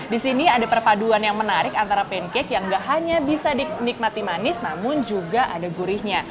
di sini ada perpaduan yang menarik antara pancake yang gak hanya bisa dinikmati manis namun juga ada gurihnya